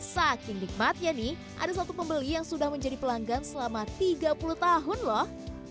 saking nikmatnya nih ada satu pembeli yang sudah menjadi pelanggan selama tiga puluh tahun loh